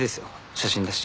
写真だし。